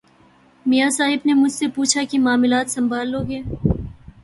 میاں صاحب نے مجھ سے پوچھا کہ معاملات سنبھال لو گے۔